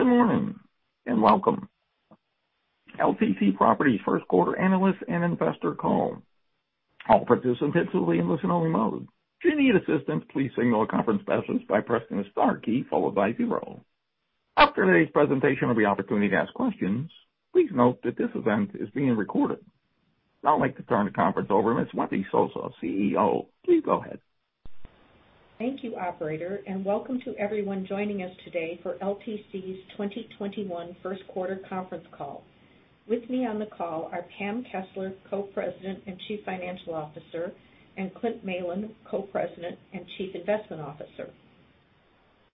Good morning, and welcome. LTC Properties first quarter analyst and investor call. I'll produce intensively emotionally mode. If you need assistant, please signal conference passes by pressing the star key, followed by zero. After today’s presentation will be opportunity to ask questions. Please note that this event is being recorded. Now I'd like to turn the conference over to Ms. Wendy Simpson, CEO. Please go ahead. Thank you, operator, and welcome to everyone joining us today for LTC's 2021 first quarter conference call. With me on the call are Pam Kessler, Co-President and Chief Financial Officer, and Clint Malin, Co-President and Chief Investment Officer.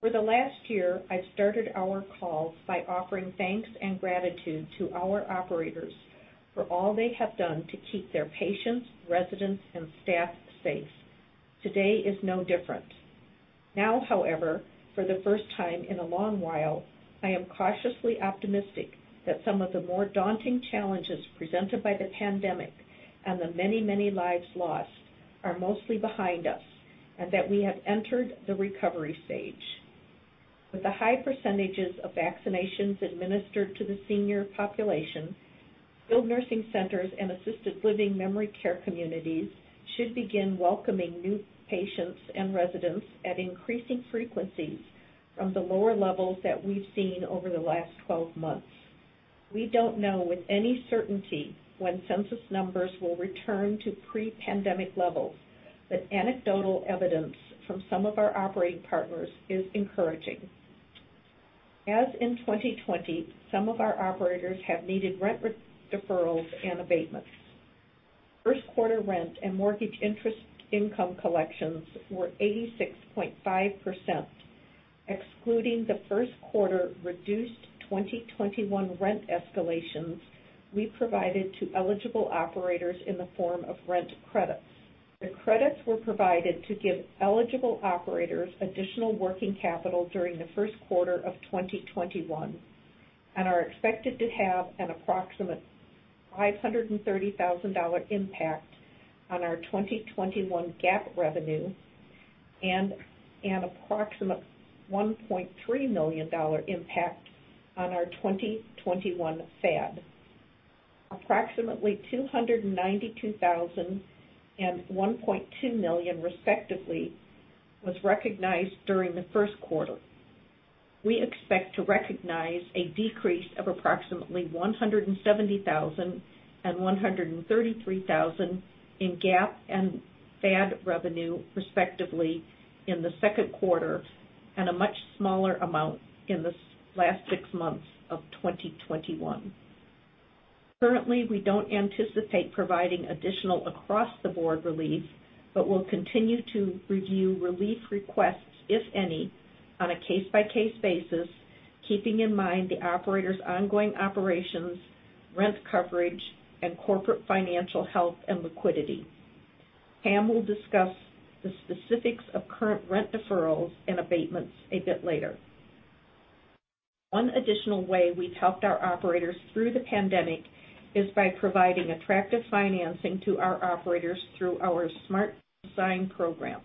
For the last year, I've started our calls by offering thanks and gratitude to our operators for all they have done to keep their patients, residents, and staff safe. Today is no different. Now, however, for the first time in a long while, I am cautiously optimistic that some of the more daunting challenges presented by the pandemic, and the many lives lost, are mostly behind us, and that we have entered the recovery stage. With the high percentages of vaccinations administered to the senior population, skilled nursing centers and assisted living memory care communities should begin welcoming new patients and residents at increasing frequencies from the lower levels that we've seen over the last 12 months. We don't know with any certainty when census numbers will return to pre-pandemic levels, but anecdotal evidence from some of our operating partners is encouraging. As in 2020, some of our operators have needed rent deferrals and abatements. First quarter rent and mortgage interest income collections were 86.5%, excluding the first quarter reduced 2021 rent escalations we provided to eligible operators in the form of rent credits. The credits were provided to give eligible operators additional working capital during the first quarter of 2021 and are expected to have an approximate $530,000 impact on our 2021 GAAP revenue and an approximate $1.3 million impact on our 2021 FAD. Approximately $292,000 and $1.2 million respectively was recognized during the first quarter. We expect to recognize a decrease of approximately $170,000 and $133,000 in GAAP and FAD revenue respectively in the second quarter, and a much smaller amount in the last six months of 2021. We don't anticipate providing additional across-the-board relief, but will continue to review relief requests, if any, on a case-by-case basis, keeping in mind the operator's ongoing operations, rent coverage, and corporate financial health and liquidity. Pam will discuss the specifics of current rent deferrals and abatements a bit later. One additional way we've helped our operators through the pandemic is by providing attractive financing to our operators through our Smart Design program.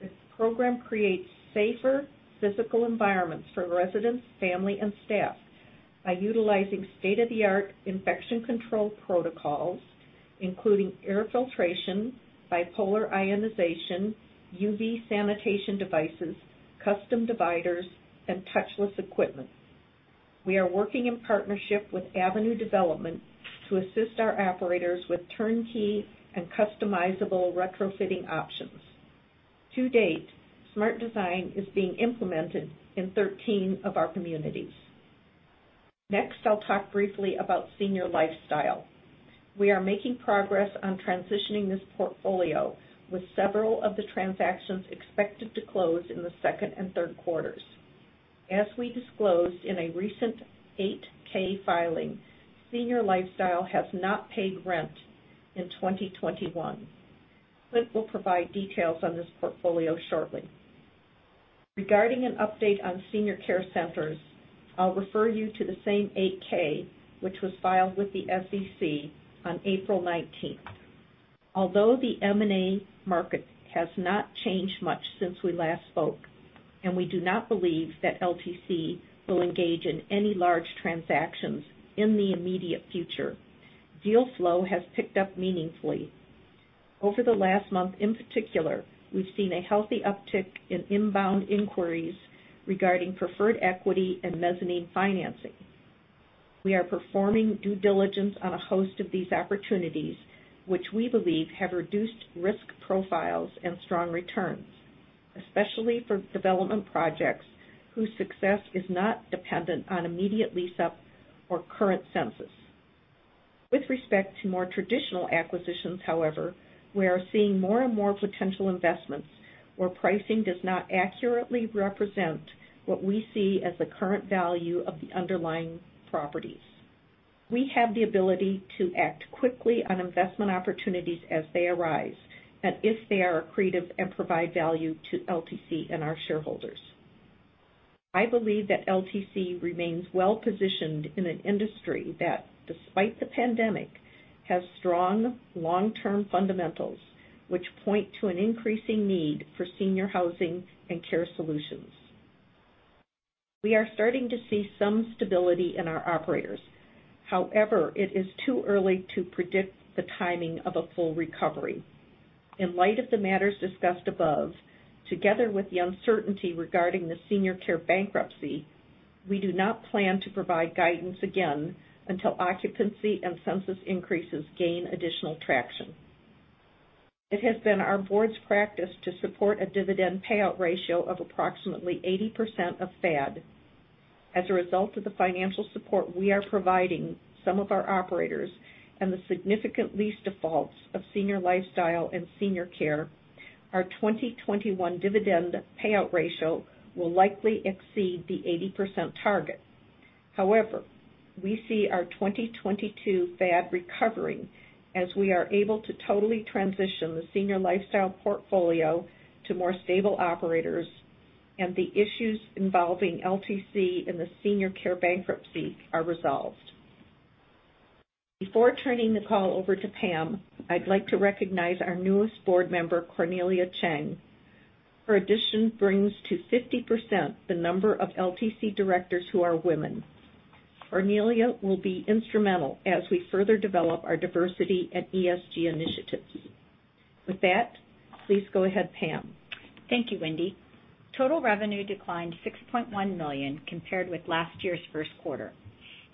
This program creates safer physical environments for residents, family, and staff by utilizing state-of-the-art infection control protocols, including air filtration, bipolar ionization, UV sanitation devices, custom dividers, and touchless equipment. We are working in partnership with Avenue Development to assist our operators with turnkey and customizable retrofitting options. To date, Smart Design is being implemented in 13 of our communities. I'll talk briefly about Senior Lifestyle. We are making progress on transitioning this portfolio, with several of the transactions expected to close in the second and third quarters. As we disclosed in a recent 8-K filing, Senior Lifestyle has not paid rent in 2021. Clint will provide details on this portfolio shortly. Regarding an update on Senior Care Centers, I'll refer you to the same 8-K, which was filed with the SEC on April 19th. The M&A market has not changed much since we last spoke, and we do not believe that LTC will engage in any large transactions in the immediate future, deal flow has picked up meaningfully. Over the last month in particular, we've seen a healthy uptick in inbound inquiries regarding preferred equity and mezzanine financing. We are performing due diligence on a host of these opportunities, which we believe have reduced risk profiles and strong returns, especially for development projects whose success is not dependent on immediate lease-up or current census. With respect to more traditional acquisitions, however, we are seeing more and more potential investments where pricing does not accurately represent what we see as the current value of the underlying properties. We have the ability to act quickly on investment opportunities as they arise and if they are accretive and provide value to LTC and our shareholders. I believe that LTC remains well-positioned in an industry that, despite the pandemic, has strong long-term fundamentals which point to an increasing need for senior housing and care solutions. We are starting to see some stability in our operators. However, it is too early to predict the timing of a full recovery. In light of the matters discussed above, together with the uncertainty regarding the Senior Care Centers bankruptcy, we do not plan to provide guidance again until occupancy and census increases gain additional traction. It has been our board's practice to support a dividend payout ratio of approximately 80% of FAD. As a result of the financial support we are providing some of our operators and the significant lease defaults of Senior Lifestyle Corporation and Senior Care Centers, our 2021 dividend payout ratio will likely exceed the 80% target. However, we see our 2022 FAD recovering as we are able to totally transition the Senior Lifestyle Corporation portfolio to more stable operators, and the issues involving LTC and the Senior Care Centers bankruptcy are resolved. Before turning the call over to Pam, I'd like to recognize our newest board member, Cornelia Cheng. Her addition brings to 50% the number of LTC directors who are women. Cornelia will be instrumental as we further develop our diversity and ESG initiatives. With that, please go ahead, Pam. Thank you, Wendy. Total revenue declined to $6.1 million compared with last year's first quarter,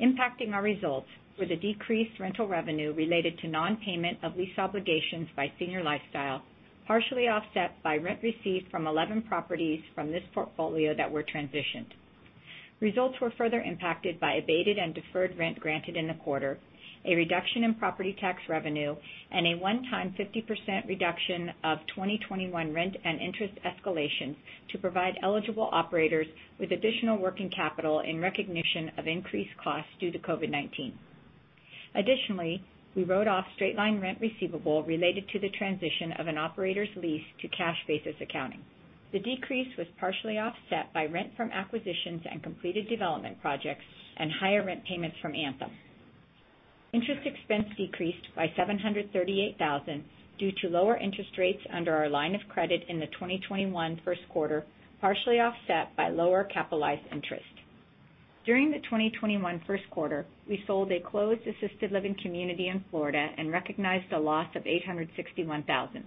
impacting our results with a decreased rental revenue related to non-payment of lease obligations by Senior Lifestyle, partially offset by rent received from 11 properties from this portfolio that were transitioned. Results were further impacted by abated and deferred rent granted in the quarter, a reduction in property tax revenue, and a one-time 50% reduction of 2021 rent and interest escalations to provide eligible operators with additional working capital in recognition of increased costs due to COVID-19. Additionally, we wrote off straight-line rent receivable related to the transition of an operator's lease to cash basis accounting. The decrease was partially offset by rent from acquisitions and completed development projects and higher rent payments from Anthem. Interest expense decreased by $738,000 due to lower interest rates under our line of credit in the 2021 first quarter, partially offset by lower capitalized interest. During the 2021 first quarter, we sold a closed assisted living community in Florida and recognized a loss of $861,000.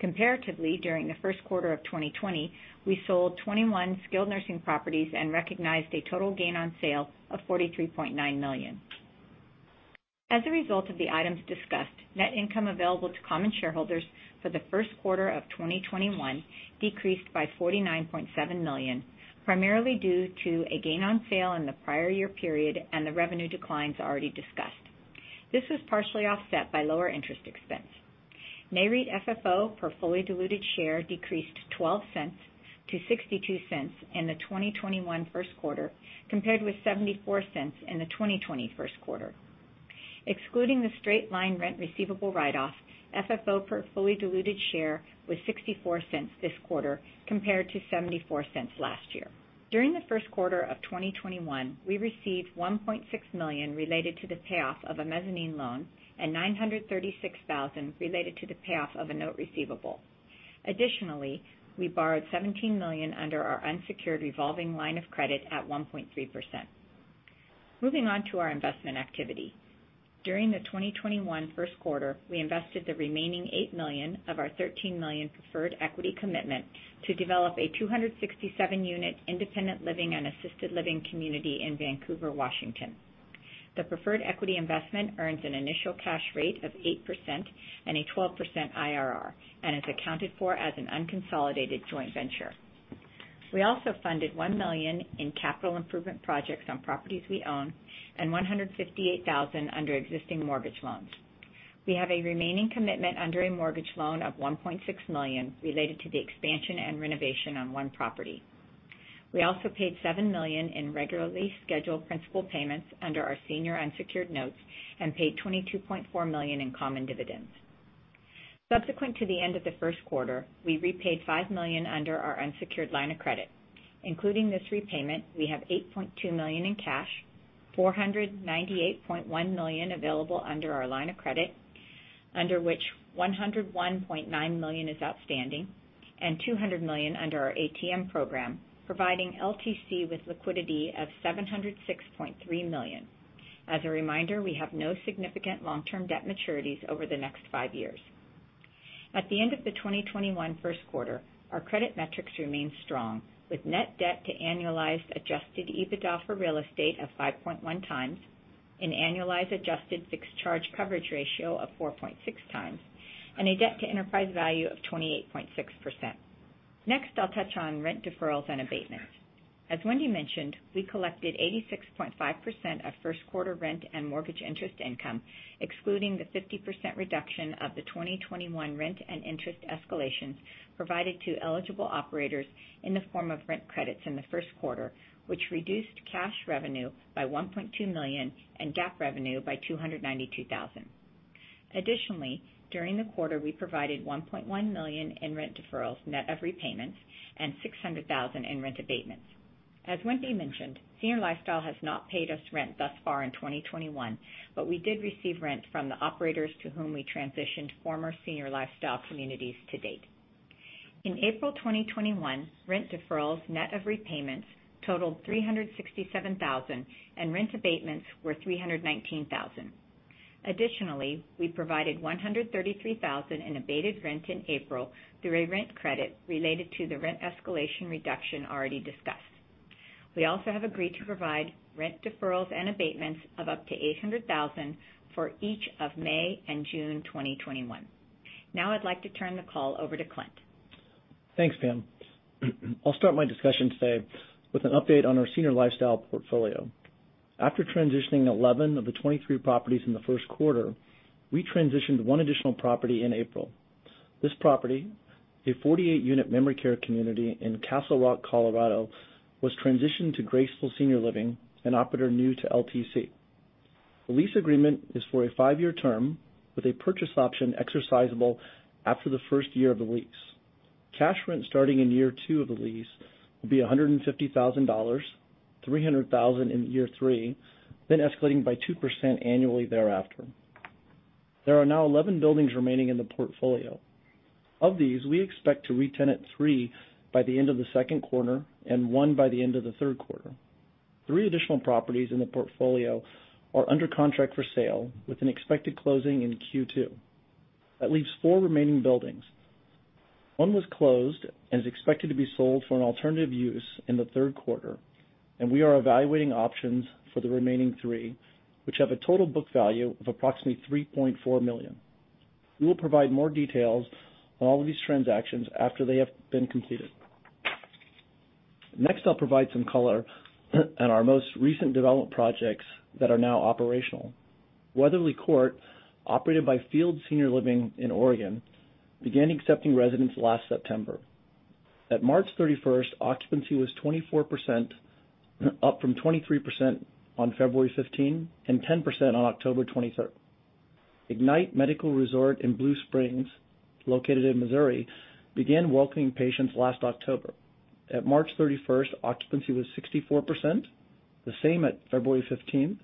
Comparatively, during the first quarter of 2020, we sold 21 skilled nursing properties and recognized a total gain on sale of $43.9 million. As a result of the items discussed, net income available to common shareholders for the first quarter of 2021 decreased by $49.7 million, primarily due to a gain on sale in the prior year period and the revenue declines already discussed. This was partially offset by lower interest expense. Nareit FFO per fully diluted share decreased $0.12 to $0.62 in the 2021 first quarter, compared with $0.74 in the 2020 first quarter. Excluding the straight-line rent receivable write-off, FFO per fully diluted share was $0.64 this quarter, compared to $0.74 last year. During the first quarter of 2021, we received $1.6 million related to the payoff of a mezzanine loan and $936,000 related to the payoff of a note receivable. Additionally, we borrowed $17 million under our unsecured revolving line of credit at 1.3%. Moving on to our investment activity. During the 2021 first quarter, we invested the remaining $8 million of our $13 million preferred equity commitment to develop a 267-unit independent living and assisted living community in Vancouver, Washington. The preferred equity investment earns an initial cash rate of 8% and a 12% IRR and is accounted for as an unconsolidated joint venture. We also funded $1 million in capital improvement projects on properties we own and $158,000 under existing mortgage loans. We have a remaining commitment under a mortgage loan of $1.6 million related to the expansion and renovation on one property. We also paid $7 million in regularly scheduled principal payments under our senior unsecured notes and paid $22.4 million in common dividends. Subsequent to the end of the first quarter, we repaid $5 million under our unsecured line of credit. Including this repayment, we have $8.2 million in cash, $498.1 million available under our line of credit, under which $101.9 million is outstanding, and $200 million under our ATM program, providing LTC with liquidity of $706.3 million. As a reminder, we have no significant long-term debt maturities over the next five years. At the end of the 2021 first quarter, our credit metrics remain strong, with net debt to annualized adjusted EBITDA for real estate of 5.1 times, an annualized adjusted fixed charge coverage ratio of 4.6x, and a debt to enterprise value of 28.6%. Next, I'll touch on rent deferrals and abatements. As Wendy mentioned, we collected 86.5% of first quarter rent and mortgage interest income, excluding the 50% reduction of the 2021 rent and interest escalations provided to eligible operators in the form of rent credits in the first quarter, which reduced cash revenue by $1.2 million and GAAP revenue by $292,000. Additionally, during the quarter, we provided $1.1 million in rent deferrals net of repayments and $600,000 in rent abatements. As Wendy mentioned, Senior Lifestyle has not paid us rent thus far in 2021, but we did receive rent from the operators to whom we transitioned former Senior Lifestyle communities to date. In April 2021, rent deferrals net of repayments totaled $367,000 and rent abatements were $319,000. Additionally, we provided $133,000 in abated rent in April through a rent credit related to the rent escalation reduction already discussed. We also have agreed to provide rent deferrals and abatements of up to $800,000 for each of May and June 2021. Now I'd like to turn the call over to Clint. Thanks, Pam. I'll start my discussion today with an update on our Senior Lifestyle portfolio. After transitioning 11 of the 23 properties in the first quarter, we transitioned one additional property in April. This property, a 48-unit memory care community in Castle Rock, Colorado, was transitioned to Graceful Senior Living, an operator new to LTC. The lease agreement is for a five-year term with a purchase option exercisable after the first year of the lease. Cash rent starting in year two of the lease will be $150,000, $300,000 in year three, then escalating by 2% annually thereafter. There are now 11 buildings remaining in the portfolio. Of these, we expect to re-tenant three by the end of the second quarter and one by the end of the third quarter. Three additional properties in the portfolio are under contract for sale with an expected closing in Q2. That leaves four remaining buildings. One was closed and is expected to be sold for an alternative use in the third quarter, and we are evaluating options for the remaining three, which have a total book value of approximately $3.4 million. We will provide more details on all of these transactions after they have been completed. Next, I'll provide some color on our most recent development projects that are now operational. Weatherly Court, operated by Fields Senior Living in Oregon, began accepting residents last September. At March 31st, occupancy was 24%, up from 23% on February 15 and 10% on October 23rd. Ignite Medical Resort in Blue Springs, located in Missouri, began welcoming patients last October. At March 31st, occupancy was 64%, the same at February 15,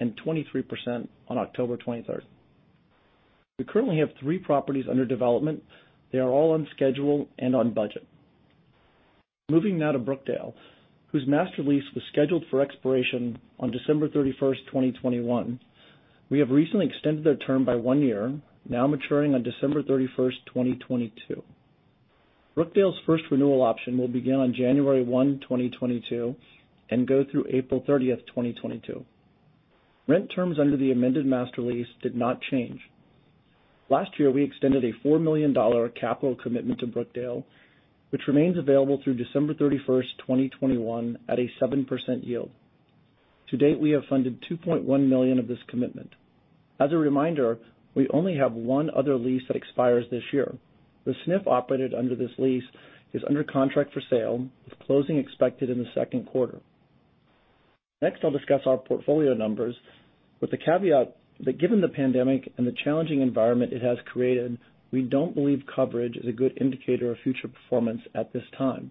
and 23% on October 23rd. We currently have three properties under development. They are all on schedule and on budget. Moving now to Brookdale, whose master lease was scheduled for expiration on December 31, 2021. We have recently extended their term by one year, now maturing on December 31, 2022. Brookdale's first renewal option will begin on January 1, 2022 and go through April 30, 2022. Rent terms under the amended master lease did not change. Last year, we extended a $4 million capital commitment to Brookdale, which remains available through December 31, 2021 at a 7% yield. To date, we have funded $2.1 million of this commitment. As a reminder, we only have one other lease that expires this year. The SNF operated under this lease is under contract for sale, with closing expected in the second quarter. I'll discuss our portfolio numbers with the caveat that given the pandemic and the challenging environment it has created, we don't believe coverage is a good indicator of future performance at this time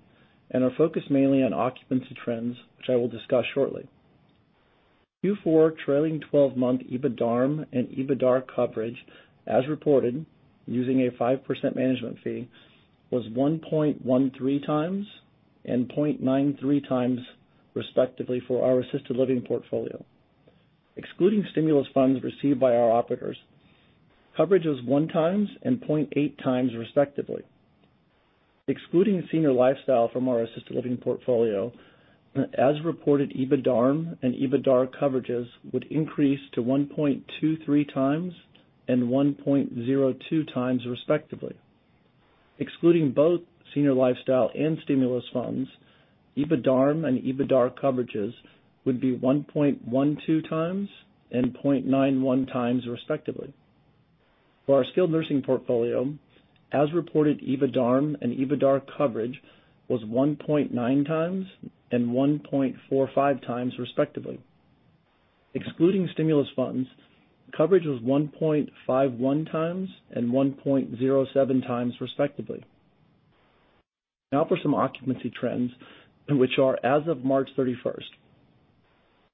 and are focused mainly on occupancy trends, which I will discuss shortly. Q4 trailing 12-month EBITDARM and EBITDAR coverage, as reported using a 5% management fee, was 1.13x and 0.93x respectively for our assisted living portfolio. Excluding stimulus funds received by our operators, coverage was one times and 0.8x respectively. Excluding Senior Lifestyle from our assisted living portfolio, as reported, EBITDARM and EBITDAR coverages would increase to 1.23x and 1.02x respectively. Excluding both Senior Lifestyle and stimulus funds, EBITDARM and EBITDAR coverages would be 1.12x and 0.91x respectively. For our skilled nursing portfolio, as reported, EBITDARM and EBITDAR coverage was 1.9x and 1.45x respectively. Excluding stimulus funds, coverage was 1.51x and 1.07x respectively. For some occupancy trends, which are as of March 31st.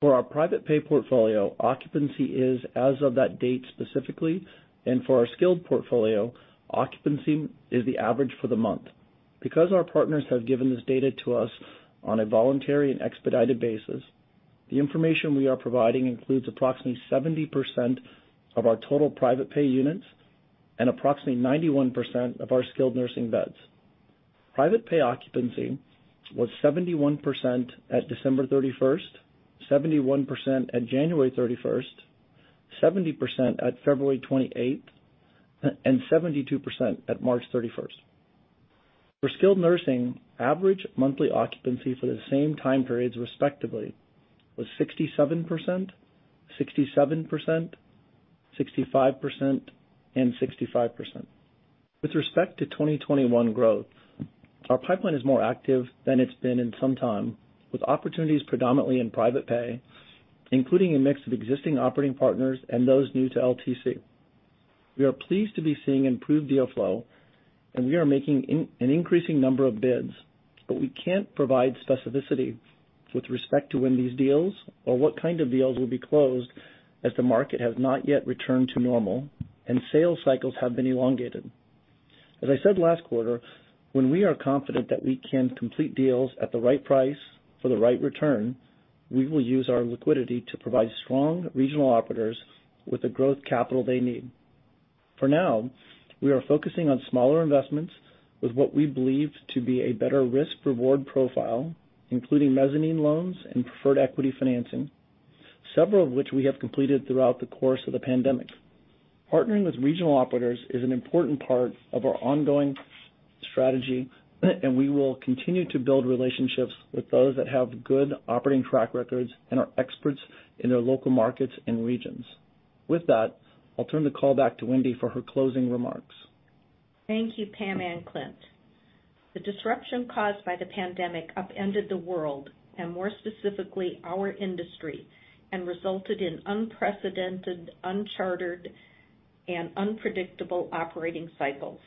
For our private pay portfolio, occupancy is as of that date specifically, and for our skilled portfolio, occupancy is the average for the month. Our partners have given this data to us on a voluntary and expedited basis, the information we are providing includes approximately 70% of our total private pay units and approximately 91% of our skilled nursing beds. Private pay occupancy was 71% at December 31st, 71% at January 31st, 70% at February 28th, and 72% at March 31st. For skilled nursing, average monthly occupancy for the same time periods respectively was 67%, 67%, 65%, and 65%. With respect to 2021 growth, our pipeline is more active than it's been in some time, with opportunities predominantly in private pay, including a mix of existing operating partners and those new to LTC. We are pleased to be seeing improved deal flow, and we are making an increasing number of bids, but we can't provide specificity with respect to when these deals or what kind of deals will be closed as the market has not yet returned to normal and sales cycles have been elongated. As I said last quarter, when we are confident that we can complete deals at the right price for the right return, we will use our liquidity to provide strong regional operators with the growth capital they need. For now, we are focusing on smaller investments with what we believe to be a better risk-reward profile, including mezzanine loans and preferred equity financing, several of which we have completed throughout the course of the pandemic. Partnering with regional operators is an important part of our ongoing strategy, and we will continue to build relationships with those that have good operating track records and are experts in their local markets and regions. With that, I'll turn the call back to Wendy for her closing remarks. Thank you, Pam and Clint. The disruption caused by the pandemic upended the world, more specifically, our industry, resulted in unprecedented, uncharted, and unpredictable operating cycles.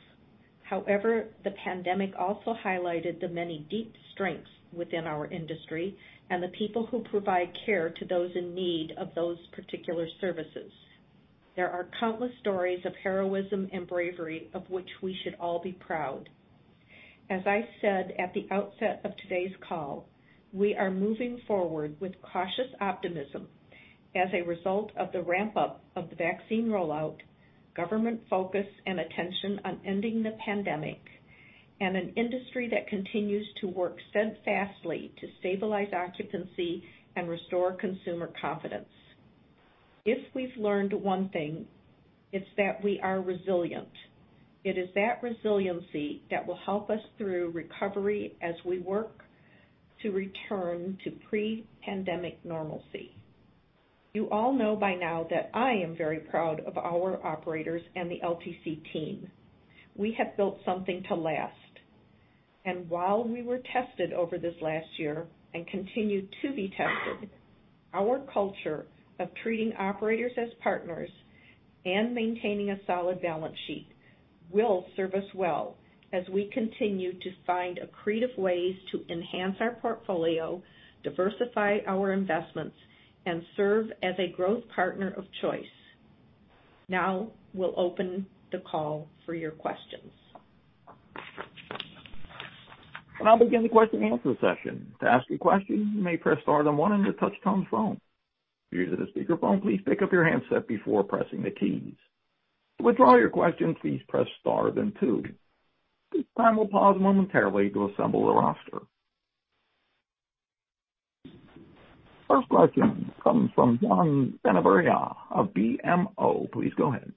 However, the pandemic also highlighted the many deep strengths within our industry and the people who provide care to those in need of those particular services. There are countless stories of heroism and bravery of which we should all be proud. As I said at the outset of today's call, we are moving forward with cautious optimism as a result of the ramp-up of the vaccine rollout, government focus and attention on ending the pandemic, an industry that continues to work steadfastly to stabilize occupancy and restore consumer confidence. If we've learned one thing, it's that we are resilient. It is that resiliency that will help us through recovery as we work to return to pre-pandemic normalcy. You all know by now that I am very proud of our operators and the LTC team. While we were tested over this last year and continue to be tested, our culture of treating operators as partners and maintaining a solid balance sheet will serve us well as we continue to find accretive ways to enhance our portfolio, diversify our investments, and serve as a growth partner of choice. Now, we'll open the call for your questions. I'll begin the question and answer session. To ask a question, you may press star then one on your touchtone phone. If you're using a speakerphone, please pick up your handset before pressing the keys. To withdraw your question, please press star then two. At this time, we'll pause momentarily to assemble the roster. First question comes from John Kilichowski of BMO. Please go ahead.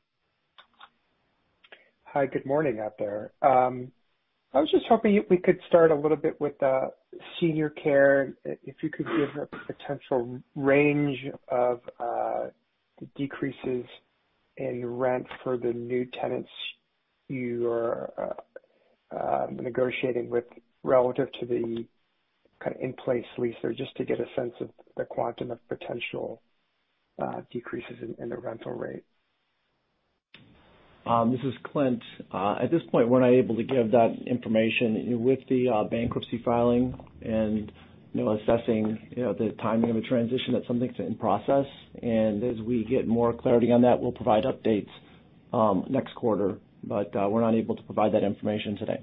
Hi, good morning out there. I was just hoping we could start a little bit with the senior care. If you could give a potential range of the decreases in rent for the new tenants you are negotiating with relative to the in-place leaser, just to get a sense of the quantum of potential decreases in the rental rate. This is Clint. At this point, we're not able to give that information. With the bankruptcy filing and assessing the timing of a transition, that's something that's in process. As we get more clarity on that, we'll provide updates next quarter. We're not able to provide that information today.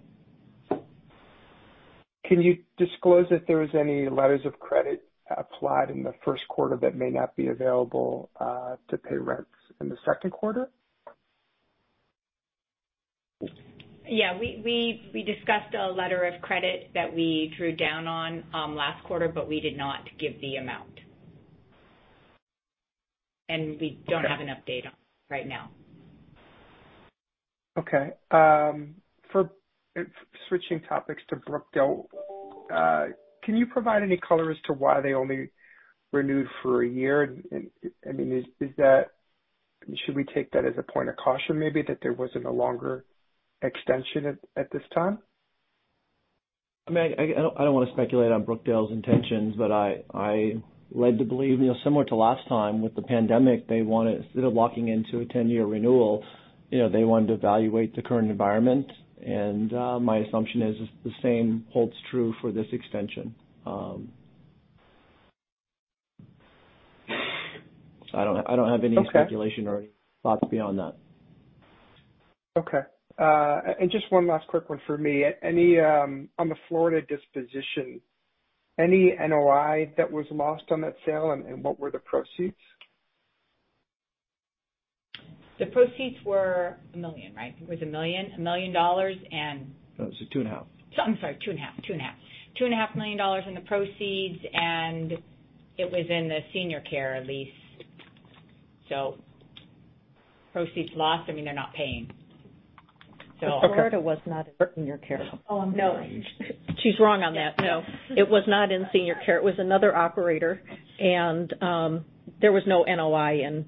Can you disclose if there was any letters of credit applied in the first quarter that may not be available to pay rents in the second quarter? Yeah. We discussed a letter of credit that we drew down on last quarter, but we did not give the amount. We don't have an update on right now. Okay. For switching topics to Brookdale, can you provide any color as to why they only renewed for a year? Should we take that as a point of caution, maybe, that there wasn't a longer extension at this time? I don't want to speculate on Brookdale's intentions. I'm led to believe, similar to last time with the pandemic, instead of locking into a 10-year renewal, they wanted to evaluate the current environment. My assumption is the same holds true for this extension. I don't have any speculation or any thoughts beyond that. Okay. Just one last quick one for me. On the Florida disposition, any NOI that was lost on that sale, and what were the proceeds? The proceeds were $1 million, right? It was $1 million and- No, it was two and a half. I'm sorry. Two and a half million dollars in the proceeds, and it was in the senior care lease. Proceeds lost, I mean, they're not paying. Okay. Florida was not in senior care. Oh, I'm sorry. No. She's wrong on that. No. It was not in senior care. It was another operator. There was no NOI in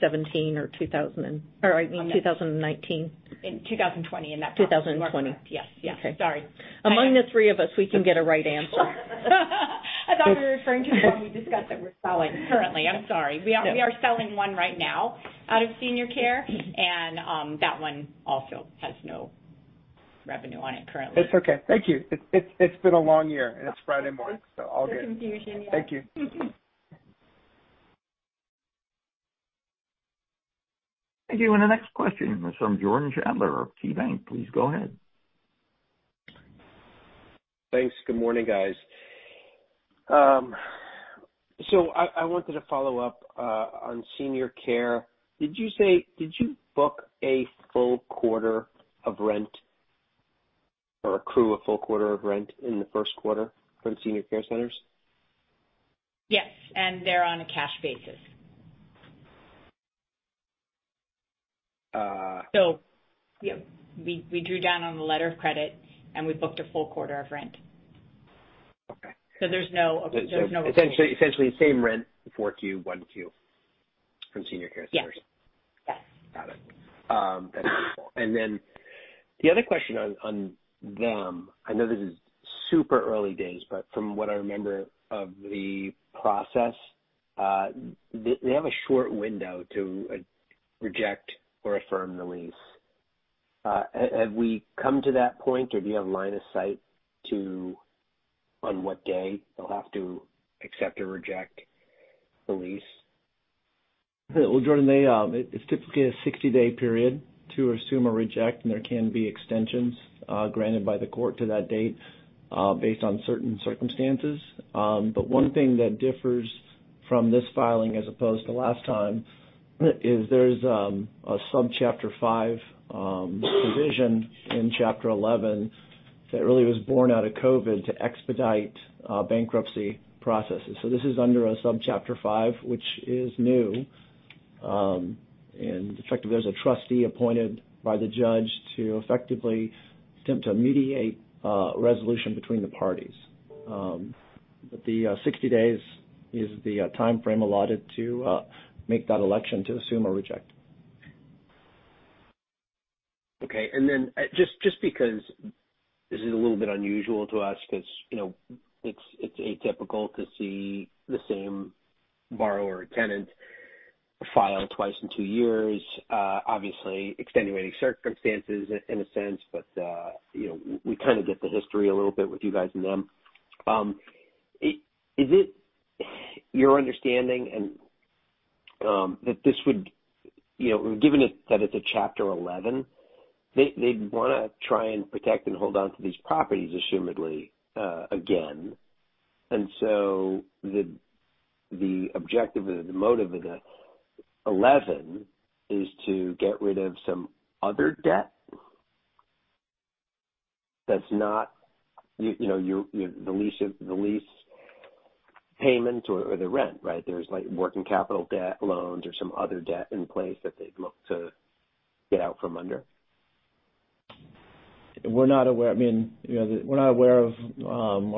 2017 or 2019. In 2020 in that property. 2020. You are correct. Yes. Sorry. Among the three of us, we can get a right answer. I thought you were referring to the one we discussed that we're selling currently. I'm sorry. No. We are selling one right now out of Senior Care, and that one also has no revenue on it currently. That's okay. Thank you. It's been a long year, and it's Friday morning, so all good. The confusion, yeah. Thank you. Thank you. The next question is from Jordan Sadler of KeyBank. Please go ahead. Thanks. Good morning, guys. I wanted to follow up on Senior Care. Did you book a full quarter of rent or accrue a full quarter of rent in the first quarter from Senior Care Centers? Yes, and they're on a cash basis. Yeah, we drew down on the letter of credit, and we booked a full quarter of rent. Okay. there's Essentially, same rent in 4Q, 1Q from Senior Care Centers. Yes. Got it. That's helpful. The other question on them, I know this is super early days, but from what I remember of the process, they have a short window to reject or affirm the lease. Have we come to that point, or do you have line of sight to on what day they'll have to accept or reject the lease? Well, Jordan, it's typically a 60-day period to assume or reject, and there can be extensions granted by the court to that date based on certain circumstances. One thing that differs from this filing as opposed to last time is there's a Subchapter V provision in Chapter 11 that really was born out of COVID to expedite bankruptcy processes. This is under a Subchapter V, which is new, and in effect there's a trustee appointed by the judge to effectively attempt to mediate a resolution between the parties. The 60 days is the timeframe allotted to make that election to assume or reject. Okay. Just because this is a little bit unusual to us because it's atypical to see the same borrower or tenant file twice in two years. Obviously, extenuating circumstances in a sense, we kind of get the history a little bit with you guys and them. Is it your understanding, given that it's a Chapter 11, they'd want to try and protect and hold onto these properties assumedly, again. The objective or the motive of the 11 is to get rid of some other debt that's not the lease payment or the rent, right? There's working capital debt loans or some other debt in place that they'd look to get out from under. We're not aware of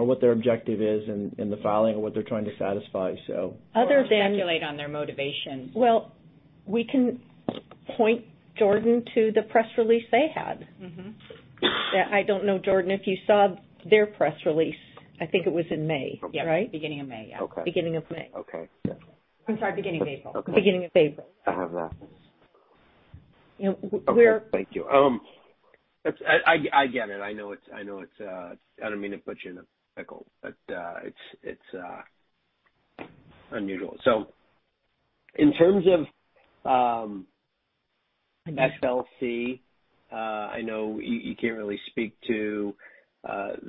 what their objective is in the filing or what they're trying to satisfy. Other than- We won't speculate on their motivation. Well, we can point Jordan to the press release they had. I don't know, Jordan, if you saw their press release. I think it was in May. Okay. Right? Yep, beginning of May. Yeah. Okay. Beginning of May. Okay. Yeah. I'm sorry, beginning of April. Okay. Beginning of April. I have that. We're- Okay. Thank you. I get it. I don't mean to put you in a pickle, but it's unusual. I get it. SLC, I know you can't really speak to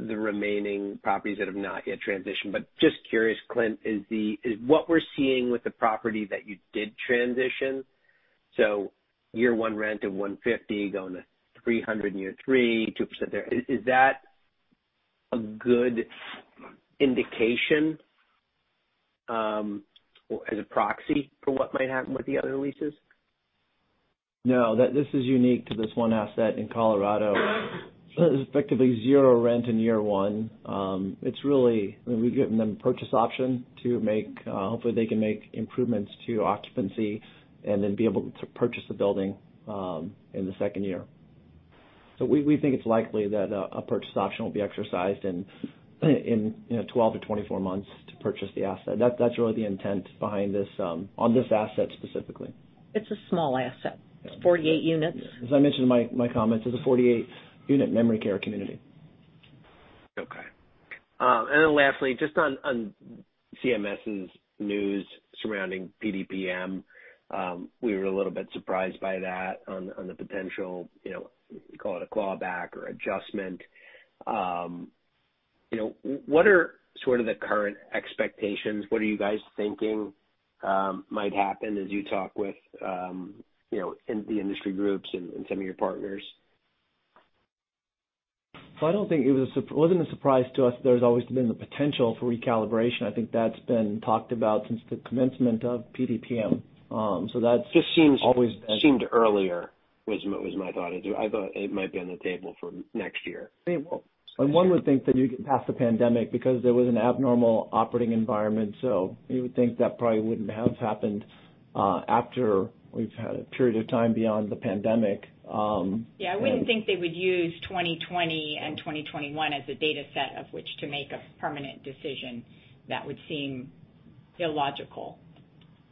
the remaining properties that have not yet transitioned, but just curious, Clint, is what we're seeing with the property that you did transition, so year one rent of $150 going to $300 in year 3, 2% there, is that a good indication as a proxy for what might happen with the other leases? No. This is unique to this one asset in Colorado. There's effectively zero rent in year one. We've given them purchase option. Hopefully they can make improvements to occupancy and then be able to purchase the building in the second year. We think it's likely that a purchase option will be exercised in 12-24 months to purchase the asset. That's really the intent behind this on this asset specifically. It's a small asset. Yeah. It's 48 units. As I mentioned in my comments, it's a 48-unit memory care community. Okay. Lastly, just on CMS's news surrounding PDPM. We were a little bit surprised by that on the potential, call it a clawback or adjustment. What are sort of the current expectations? What are you guys thinking might happen as you talk with the industry groups and some of your partners? It wasn't a surprise to us. There's always been the potential for recalibration. I think that's been talked about since the commencement of PDPM. Just seemed earlier was my thought. I thought it might be on the table for next year. One would think that you'd get past the pandemic because there was an abnormal operating environment. You would think that probably wouldn't have happened after we've had a period of time beyond the pandemic. Yeah. I wouldn't think they would use 2020 and 2021 as a data set of which to make a permanent decision. That would seem illogical.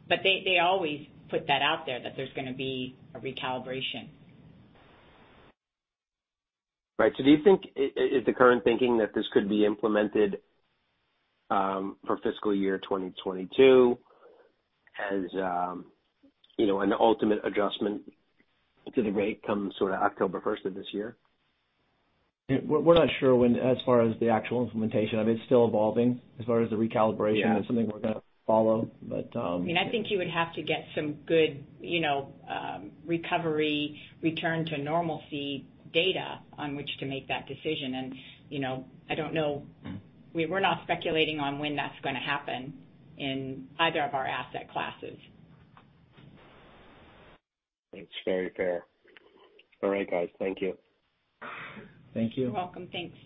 They always put that out there, that there's going to be a recalibration. Right. Do you think, is the current thinking that this could be implemented for fiscal year 2022 as an ultimate adjustment to the rate come October 1st of this year? We're not sure when, as far as the actual implementation of it. It's still evolving as far as the recalibration. Yeah it's something we're going to follow. I think you would have to get some good recovery, return to normalcy data on which to make that decision. I don't know. We're not speculating on when that's going to happen in either of our asset classes. That's very fair. All right, guys. Thank you. Thank you. You're welcome. Thanks.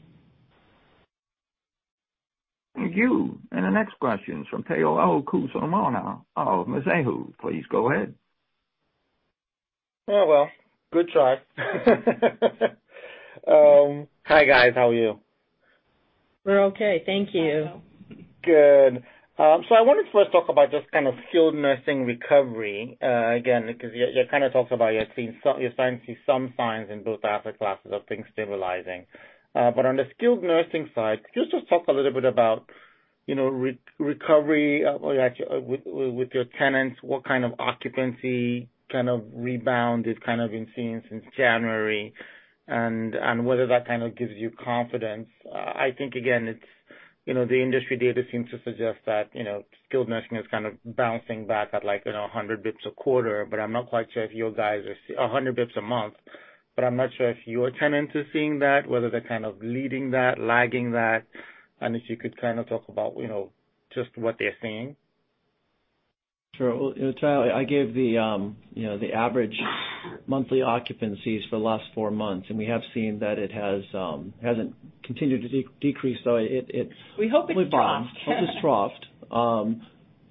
Thank you. The next question's from Omotayo Okusanya of Mizuho. Please go ahead. Oh, well. Good try. Hi, guys. How are you? We're okay. Thank you. Not bad. Good. I wanted to first talk about just kind of skilled nursing recovery, again, because you're kind of talking about you're starting to see some signs in both asset classes of things stabilizing. On the skilled nursing side, could you just talk a little bit about recovery with your tenants, what kind of occupancy kind of rebound is kind of being seen since January, and whether that kind of gives you confidence? I think, again, the industry data seems to suggest that skilled nursing is kind of bouncing back at, like, 100 bips a quarter, but I'm not quite sure if you guys are seeing 100 bips a month. I'm not sure if your tenants are seeing that, whether they're kind of leading that, lagging that, and if you could kind of talk about just what they're seeing. Sure. Well, Omotayo Okusanya, I gave the average monthly occupancies for the last four months, and we have seen that it hasn't continued to decrease. We hope it's troughed. probably bottomed. Hope it's troughed.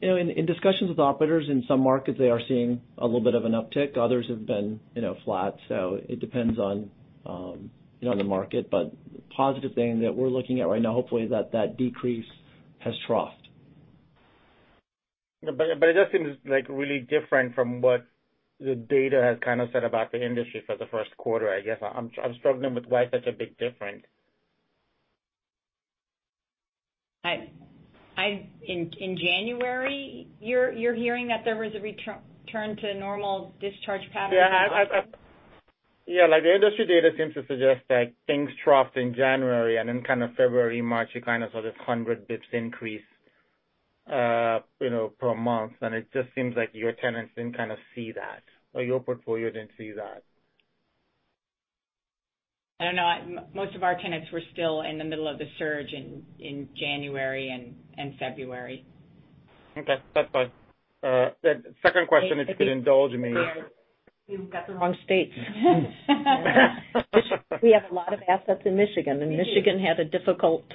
In discussions with operators in some markets, they are seeing a little bit of an uptick. Others have been flat. It depends on the market. The positive thing that we're looking at right now, hopefully, that that decrease has troughed. It just seems really different from what the data has kind of said about the industry for the first quarter, I guess. I'm struggling with why such a big difference. In January, you're hearing that there was a return to normal discharge patterns? Yeah. The industry data seems to suggest that things troughed in January. Then kind of February, March, you kind of saw this 100 basis points increase per month. It just seems like your tenants didn't kind of see that, or your portfolio didn't see that. I don't know. Most of our tenants were still in the middle of the surge in January and February. Okay. That's fine. The second question, if you'd indulge me. You've got the wrong states. We have a lot of assets in Michigan. We do. Michigan had a difficult-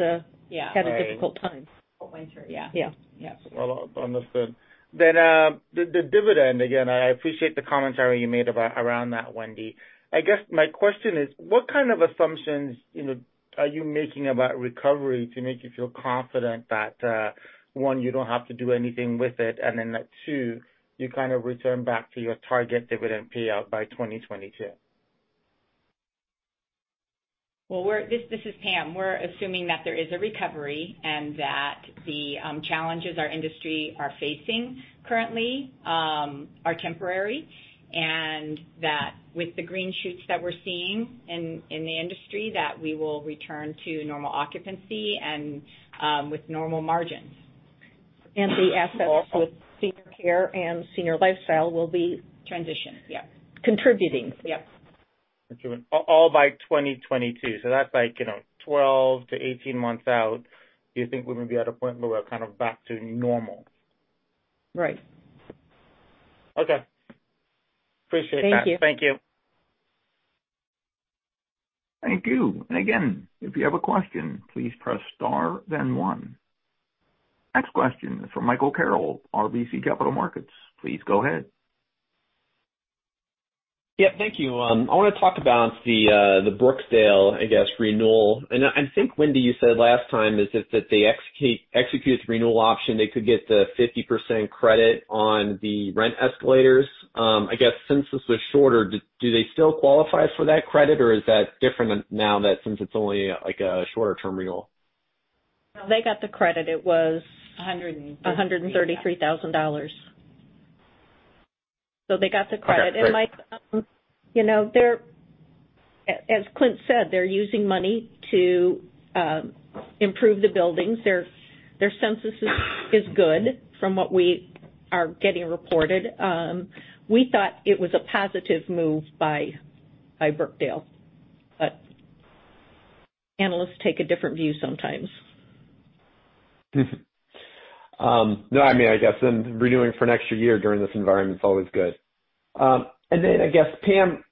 Yeah had a difficult time. Whole winter. Yeah. Yeah. Yeah. Well, understood. The dividend, again, I appreciate the commentary you made around that, Wendy. I guess my question is, what kind of assumptions are you making about recovery to make you feel confident that, one, you don't have to do anything with it, and then that two, you kind of return back to your target dividend payout by 2022? Well. This is Pam. We're assuming that there is a recovery and that the challenges our industry are facing currently are temporary, and that with the green shoots that we're seeing in the industry, that we will return to normal occupancy and with normal margins. The assets with Senior Care and Senior Lifestyle will be. Transitioned. Yep. contributing. Yep. All by 2022. That's like 12 to 18 months out. Do you think we're going to be at a point where we're kind of back to normal? Right. Okay. Appreciate that. Thank you. Thank you. Thank you. Again, if you have a question, please press star then one. Next question is from Michael Carroll, RBC Capital Markets. Please go ahead. Yep. Thank you. I want to talk about the Brookdale, I guess, renewal. I think, Wendy, you said last time is if that they execute the renewal option, they could get the 50% credit on the rent escalators. I guess since this was shorter, do they still qualify for that credit, or is that different now that since it's only a shorter-term renewal? No, they got the credit. It was- 150, yeah. $133,000. They got the credit. Okay, great. Mike, as Clint said, they're using money to improve the buildings. Their census is good from what we are getting reported. We thought it was a positive move by Brookdale, analysts take a different view sometimes. I mean, I guess renewing for an extra year during this environment's always good. I guess, Pam,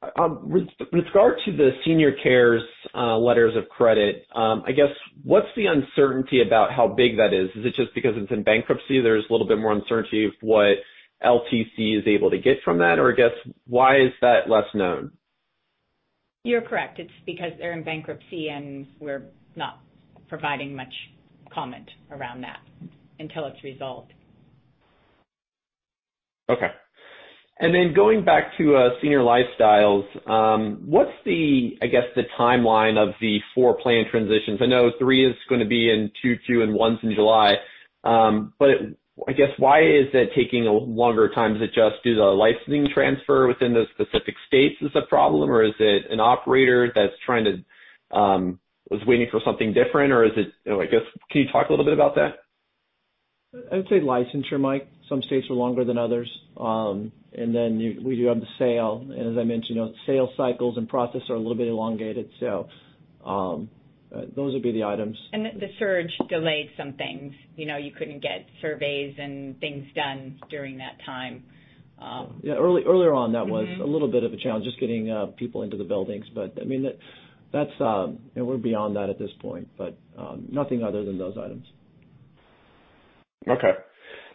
with regard to the Senior Care Centers' letters of credit, I guess, what's the uncertainty about how big that is? Is it just because it's in bankruptcy, there's a little bit more uncertainty of what LTC is able to get from that? I guess why is that less known? You're correct. It's because they're in bankruptcy, and we're not providing much comment around that until it's resolved. Okay. Going back to Senior Lifestyles, what's the timeline of the four plan transitions? I know three is going to be in 2022 and one is in July. Why is it taking a longer time? Is it just due to the licensing transfer within those specific states is a problem, or is it an operator that's waiting for something different? Can you talk a little bit about that? I would say licensure, Mike. Some states are longer than others. Then we do have the sale. As I mentioned, sale cycles and process are a little bit elongated. Those would be the items. The surge delayed some things. You couldn't get surveys and things done during that time. Yeah. Earlier on. a little bit of a challenge, just getting people into the buildings. We're beyond that at this point, but nothing other than those items. Okay.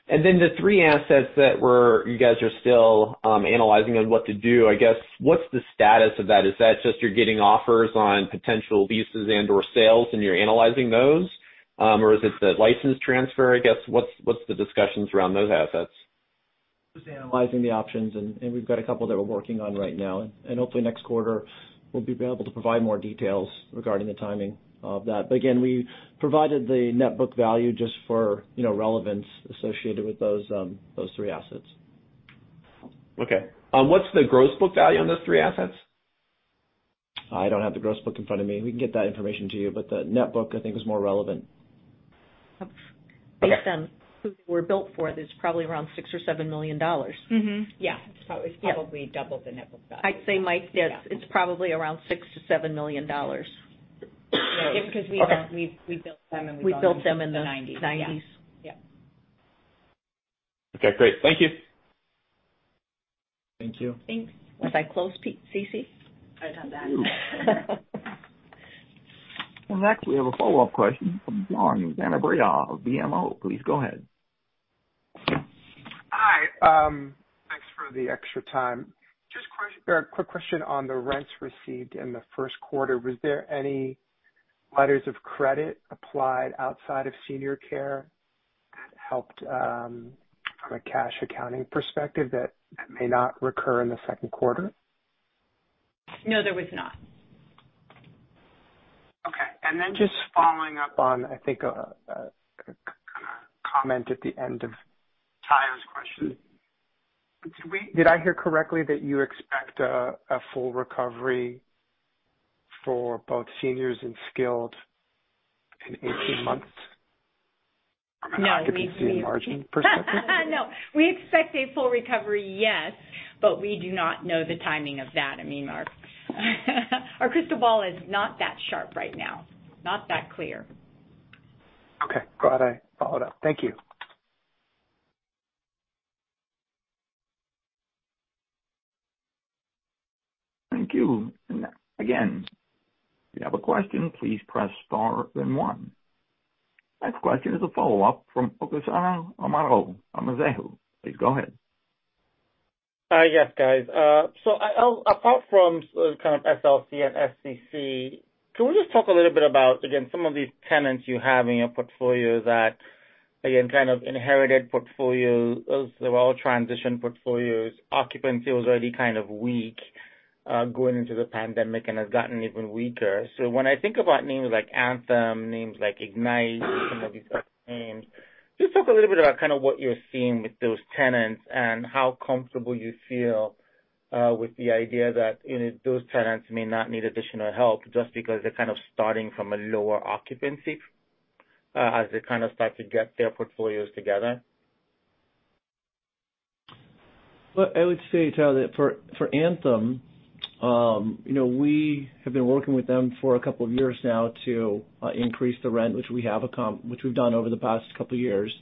The three assets that you guys are still analyzing on what to do, what's the status of that? Is that just you're getting offers on potential leases and/or sales, and you're analyzing those? Or is it the license transfer? What's the discussions around those assets? Just analyzing the options, we've got a couple that we're working on right now. Hopefully next quarter, we'll be able to provide more details regarding the timing of that. Again, we provided the net book value just for relevance associated with those three assets. Okay. What's the gross book value on those three assets? I don't have the gross book in front of me. We can get that information to you, but the net book, I think, is more relevant. Okay. Based on who they were built for, it's probably around $6 million or $7 million. Mm-hmm. Yeah. It's probably double the net book value. I'd say, Mike, yes, it's probably around $6 million-$7 million. Okay. Because we built them, We built them in the '90s. Yeah. Okay, great. Thank you. Thank you. Thanks. If I close, Pete, cc? I did not back. Ooh. Well, next we have a follow-up question from John Kilichowski of BMO. Please go ahead. Hi. Thanks for the extra time. Just a quick question on the rents received in the first quarter. Was there any letters of credit applied outside of Senior Care that helped, from a cash accounting perspective, that may not recur in the second quarter? No, there was not. Okay. Just following up on, I think, a comment at the end of Trent Trujillo's question. Did I hear correctly that you expect a full recovery for both seniors and skilled in 18 months? No. Occupancy and margin perspective? No. We expect a full recovery, yes, but we do not know the timing of that. Our crystal ball is not that sharp right now, not that clear. Okay. Glad I followed up. Thank you. Thank you. Next question is a follow-up from Omotayo Okusanya. Please go ahead. Yes, guys. Apart from kind of SLC and SCC, can we just talk a little bit about, again, some of these tenants you have in your portfolio that, again, kind of inherited portfolio. Those were all transition portfolios. Occupancy was already kind of weak going into the pandemic and has gotten even weaker. When I think about names like Anthem, names like Ignite, some of these other names, just talk a little bit about kind of what you're seeing with those tenants and how comfortable you feel with the idea that those tenants may not need additional help just because they're kind of starting from a lower occupancy as they kind of start to get their portfolios together. I would say, Trent Trujillo, that for Anthem, we have been working with them for a couple of years now to increase the rent, which we've done over the past couple of years.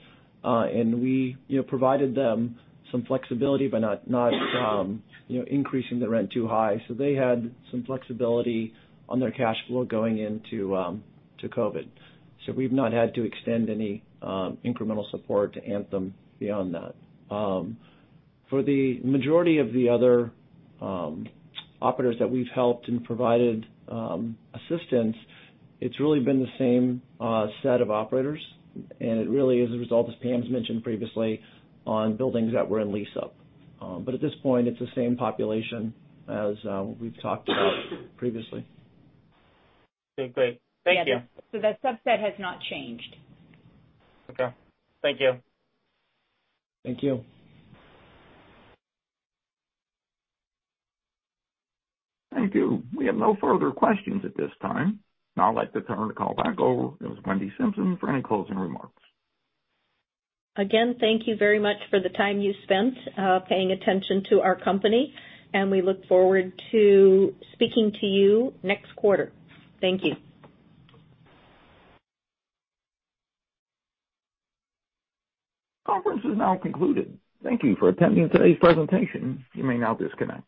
We provided them some flexibility by increasing the rent too high. They had some flexibility on their cash flow going into COVID. We've not had to extend any incremental support to Anthem beyond that. For the majority of the other operators that we've helped and provided assistance, it's really been the same set of operators, and it really is a result, as Pam's mentioned previously, on buildings that were in lease-up. At this point, it's the same population as we've talked about previously. Okay, great. Thank you. That subset has not changed. Okay. Thank you. Thank you. Thank you. We have no further questions at this time. I'd like to turn the call back over to Wendy Simpson for any closing remarks. Again, thank you very much for the time you spent paying attention to our company, and we look forward to speaking to you next quarter. Thank you. Conference is now concluded. Thank you for attending today's presentation. You may now disconnect.